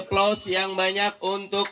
aplaus yang banyak untuk